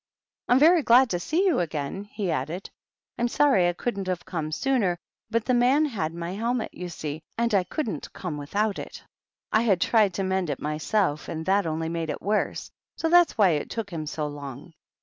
*' I'm very glad to see you again/' he added. *' I'm sorry^I couldn't have come sooner, but the man had my helmet, you see, and I couldn't come without it. I had tried to mend it myself, and that only made it worse; so that's why it took him so long.